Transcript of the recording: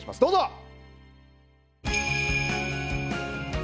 どうぞ。